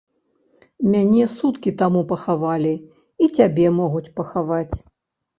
Мяне суткі таму пахавалі, і цябе могуць пахаваць.